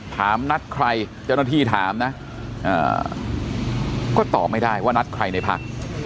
นัดใครเจ้าหน้าที่ถามนะก็ตอบไม่ได้ว่านัดใครในพัก